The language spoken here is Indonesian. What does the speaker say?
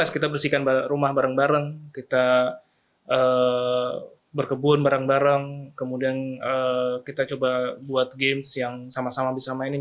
kita bersihkan rumah bareng bareng kita berkebun bareng bareng kemudian kita coba buat games yang sama sama bisa mainin